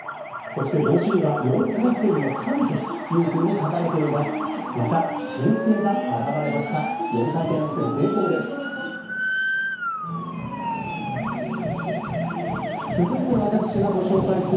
そして帽子には４回転の神というふうに書かれています。